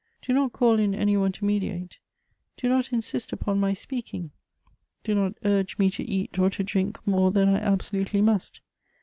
Do not call in any one to mediate ; do not insist upon my speaking ; do not urge me to eat or to drink more than I absolutely must.